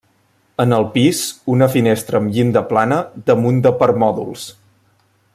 En el pis, una finestra amb llinda plana damunt de permòdols.